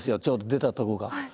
ちょうど出たとこが。